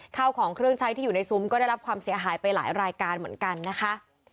ข้าวของเครื่องใช้ที่อยู่ในซุ้มก็ได้รับความเสียหายไปหลายรายการเหมือนกันนะคะ